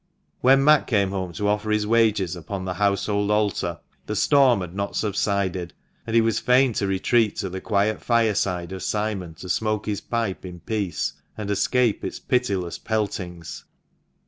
When Mat came home, to offer his wages upon the household altar, the storm had not subsided, and he was fain to retreat to the quiet fireside of Simon to smoke his pipe in peace, and escape its pitiless peltings.